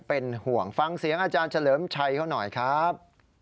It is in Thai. เป็นห่วงฟังเสียงอาจารย์เฉลิมชัยเขาหน่อยครับ